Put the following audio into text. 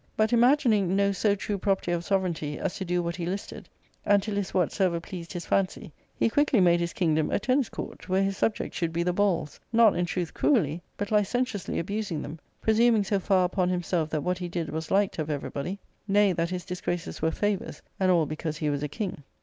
But, imagining no so true property of sovereignty as to do what he listed, and to list whatsoever pleased his fancy, he quickly made his kingdom a tennis court, where his subjects should be the balls, not, in truth, cruelly, but licentiously abusing them, presuming so far upon "himself that what he did was liked of everybody ; nay, that his disgraces were favours, and all because he was a king.